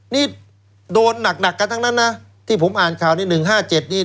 นี่โดนหนักกันทั้งนั้นนะที่ผมอ่านข่าวนี้๑๕๗นี่